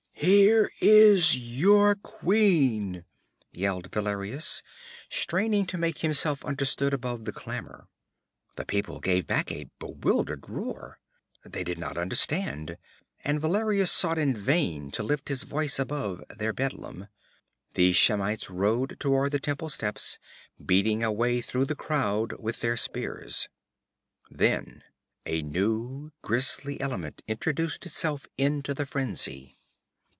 'Here is your queen!' yelled Valerius, straining to make himself understood above the clamor. The people gave back a bewildered roar. They did not understand, and Valerius sought in vain to lift his voice above their bedlam. The Shemites rode toward the temple steps, beating a way through the crowd with their spears. Then a new, grisly element introduced itself into the frenzy.